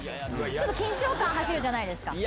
ちょっと緊張感走るじゃないですか。